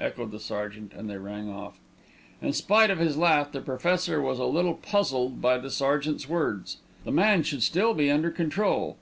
echoed the sergeant, and they rang off. In spite of his laugh, the Professor was a little puzzled by the sergeant's words. The man should still be under control.